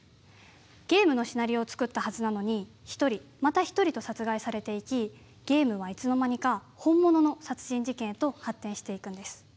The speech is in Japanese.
ゲームのシナリオを作ったはずなのに１人また１人と殺害されていきゲームはいつの間にか本物の殺人事件へと発展していくんです。